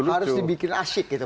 harus dibikin asyik gitu